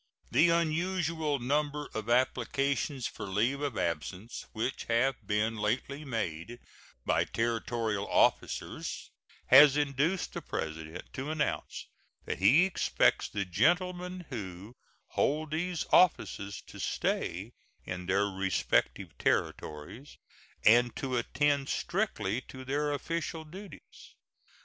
The unusual number of applications for leave of absence which have been lately made by Territorial officers has induced the President to announce that he expects the gentlemen who hold those offices to stay in their respective Territories and to attend strictly to their official duties.